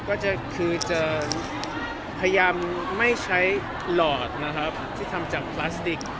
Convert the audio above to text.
ก็คือจะพยายามไม่ใช้หลอดนะครับที่ทำจากพลาสติก